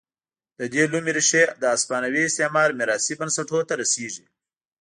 دې لومې ریښې د هسپانوي استعمار میراثي بنسټونو ته رسېږي.